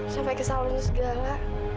sampai kesal luar segala